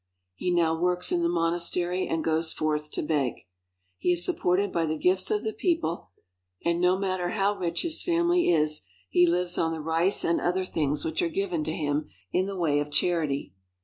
He now works in the monastery and goes forth to beg. He is supported by the gifts of the people, and no matter how rich his family is, he lives on the rice and other things which are given to him in the way of charity.